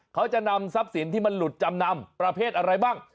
เขาจะนำทรัพย์สินที่มันหลุดจำนำประเภทอะไรบ้าง